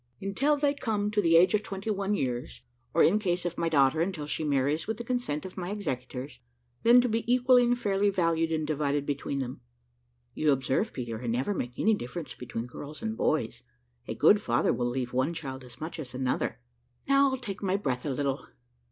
"Until they come to the age of twenty one years; or in case of my daughter, until she marries with the consent of my executors, then to be equally and fairly valued and divided between them. You observe, Peter I never make any difference between girls and boys a good father will leave one child as much as another. Now I'll take my breath a little."